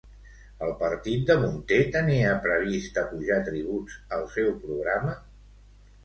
El partit de Munté tenia previst apujar tributs al seu programa?